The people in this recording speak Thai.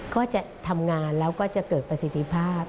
ก็จะทำงานแล้วก็จะเกิดประสิทธิภาพ